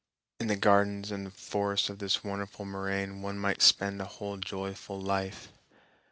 In the gardens and forests of this wonderful moraine one might spend a whole joyful life.